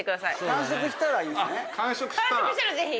完食したらぜひ。